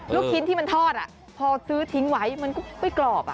ลูกชิ้นที่มันทอดพอซื้อทิ้งไว้มันก็ไม่กรอบ